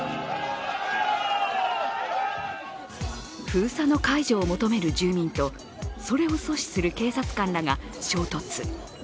封鎖の解除を求める住民とそれを阻止する警察官らが衝突。